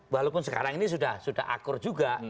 walaupun sekarang ini sudah akur juga